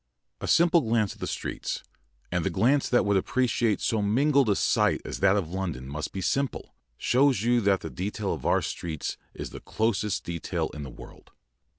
A simple glance at the streets and the glance that would appreciate so mingled a sight as that of London must be simple shows you that the detail of our streets is the closest detail in the world.